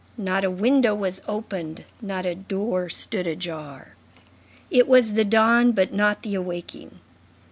Not a window was opened, not a door stood ajar; it was the dawn but not the awaking.